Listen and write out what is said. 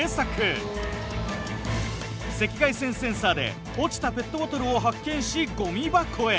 赤外線センサーで落ちたペットボトルを発見しゴミ箱へ。